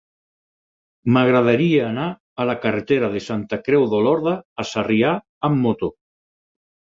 M'agradaria anar a la carretera de Santa Creu d'Olorda a Sarrià amb moto.